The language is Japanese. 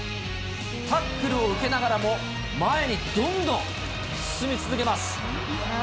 タックルを受けながらも、前にどんどん進み続けます。